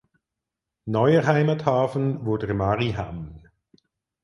Neuer Heimathafen wurde Mariehamn.